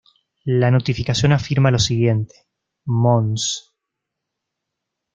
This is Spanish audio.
La notificación afirma lo siguiente:Mons.